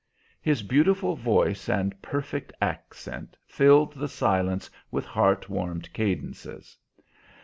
His beautiful voice and perfect accent filled the silence with heart warmed cadences.